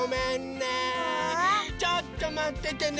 ちょっとまっててね。